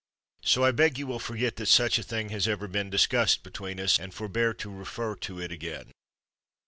So I beg you will forget that such a thing has ever been discussed between us, and forbear to refer to it again.